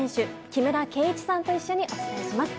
木村敬一さんとお伝えします。